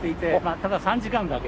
ただ３時間だけ。